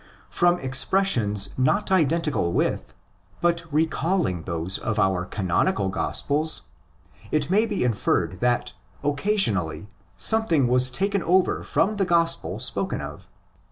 From expressions not identical with, but recalling those of our canonical Gospels, if may be inferred that occa sionally something was taken over from the Gospel spoken of.